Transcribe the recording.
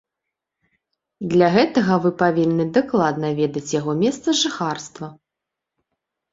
Для гэтага вы павінны дакладна ведаць яго месца жыхарства.